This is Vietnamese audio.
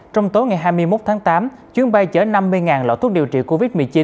trong tối ngày hai mươi một tháng tám chuyến bay chở năm mươi lọ thuốc điều trị covid một mươi chín